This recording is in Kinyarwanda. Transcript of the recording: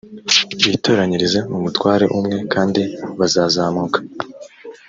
bitoranyirize umutware umwe kandi bazazamuka